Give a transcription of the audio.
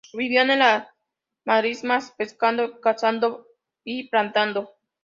Vivían en las marismas pescando, cazando y plantando.